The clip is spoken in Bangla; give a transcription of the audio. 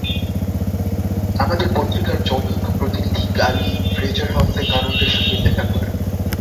আমাদের পত্রিকার জনৈক প্রতিনিধি কালই ফ্রেজার হাউস-এ কানন্দের সহিত দেখা করেন।